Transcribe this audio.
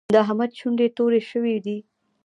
د احمد شونډې تورې شوې دي.